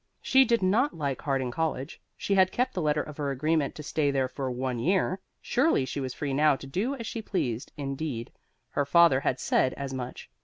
She did not like Harding college; she had kept the letter of her agreement to stay there for one year; surely she was free now to do as she pleased indeed, her father had said as much.